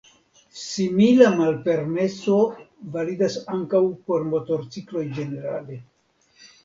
Simila malpermeso validas ankaŭ por motorcikloj ĝenerale.